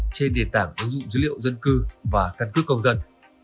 trên nền tảng ứng dụng dữ liệu dân cư và căn cước công dân